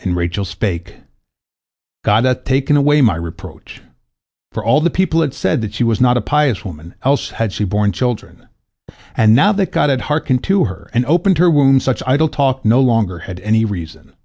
And Rachel spake, "God hath taken away my reproach," for all the people had said that she was not a pious woman, else had she borne children, and now that God had hearkened to her, and opened her womb, such idle talk no longer had any reason.